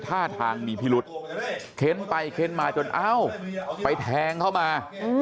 ท่าทางมีพิรุษเค้นไปเค้นมาจนเอ้าไปแทงเข้ามา